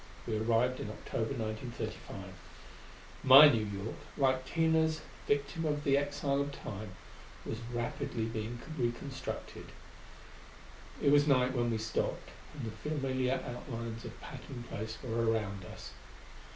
We arrived in October, 1935. My New York, like Tina's a victim of the exile of Time, was rapidly being reconstructed. It was night when we stopped and the familiar outlines of Patton Place were around us.